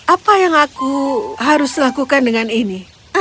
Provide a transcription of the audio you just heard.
apa yang aku harus lakukan dengan ini